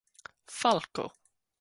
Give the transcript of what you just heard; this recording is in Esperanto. falko